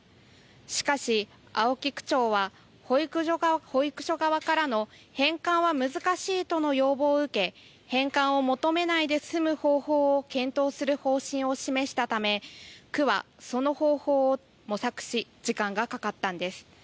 しかし青木区長は保育所側からの返還は難しいとの要望を受け返還を求めないで済む方法を検討する方針を示したため区はその方法を模索し時間がかかったんです。